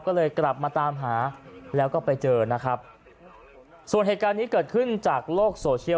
ก็เลยกลับมาตามหาแล้วก็ไปเจอนะครับส่วนเหตุการณ์นี้เกิดขึ้นจากโลกโซเชียล